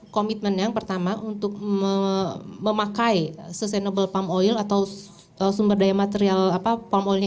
komitmen yang pertama untuk memakai sustainable palm oil atau sumber daya material palm oilnya